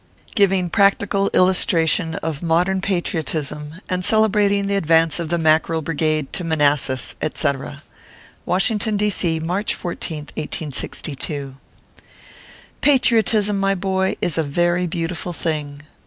GIVING PRACTICAL ILLUSTRATION OF MODERN PATRIOTISM, AND CEL EBRATING THE ADVANCE OP THE MACKEREL BRIGADE TO MANAS SAS, ETC. WASHINGTON, D. C., March 14th, 1S62. PATRIOTISM, ray boy, is a very beautiful thing.